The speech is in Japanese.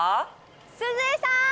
鈴江さん！